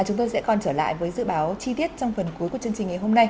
chúng tôi sẽ còn trở lại với dự báo chi tiết trong phần cuối của chương trình ngày hôm nay